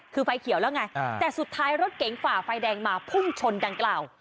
คือไฟเขียวแล้วไงแต่สุดท้ายรถเก๋งฝ่าไฟแดงมาพุ่งชนดังกล่าว